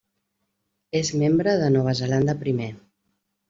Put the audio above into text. És membre de Nova Zelanda Primer.